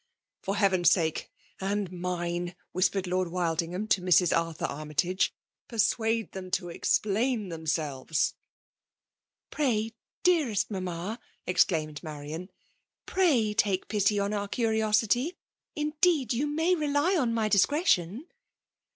For Heaven's sake and mine," whispered Lord WUdingfaam to Mrs. Arthur Armytage, " persuade them to explain themselves.'* '" Fray, dearest mamma," exclaimed Marian ; pray take pity on our curiosity. Indeed you may rely on my discretion